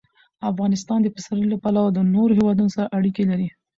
افغانستان د پسرلی له پلوه له نورو هېوادونو سره اړیکې لري.